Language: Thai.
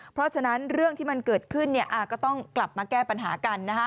เพราะฉะนั้นเรื่องที่มันเกิดขึ้นก็ต้องกลับมาแก้ปัญหากัน